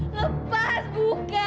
lepas buka buka